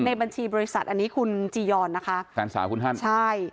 ในบัญชีบริษัทอันนี้คุณจียอนนะคะแฟนสาวคุณท่านใช่